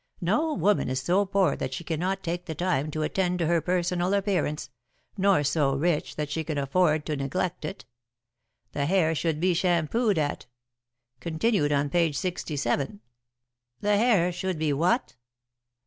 "'No woman is so poor that she cannot take the time to attend to her personal appearance, nor so rich that she can afford to neglect it. The hair should be shampooed at Continued on page sixty seven.'" "The hair should be what?"